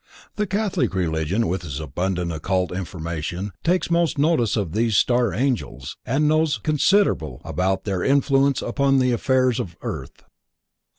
The Catholic religion with its abundant occult information takes most notice of these "star angels" and knows considerable about their influence upon the affairs of the earth.